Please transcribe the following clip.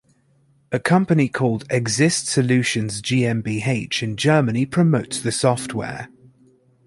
A company called eXist Solutions GmbH in Germany promotes the software.